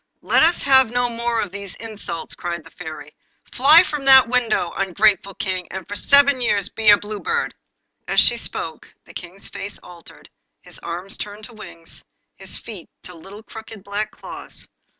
'Let us have no more of these insults,' cried the Fairy. 'Fly from that window, ungrateful King, and for seven years be a Blue Bird.' As she spoke the King's face altered, his arms turned to wings, his feet to little crooked black claws.